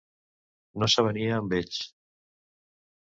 No s'avenia amb ells.